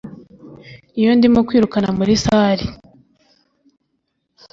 iyo ndimo nkwirukana muri salle